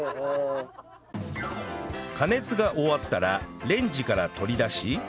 加熱が終わったらレンジから取り出し